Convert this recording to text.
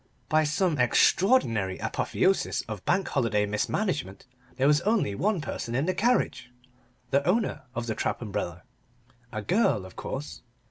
By some extraordinary apotheosis of Bank Holiday mismanagement, there was only one person in the carriage the owner of the trap umbrella. A girl, of course.